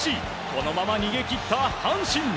このまま逃げ切った阪神。